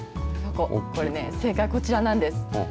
これね、正解はこちらなんです。